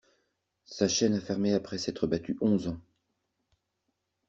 Sa chaîne a fermé après s'être battu onze ans.